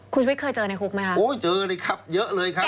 คุณชุวิตเคยเจอในคุกไหมคะโอ้เจอเลยครับเยอะเลยครับ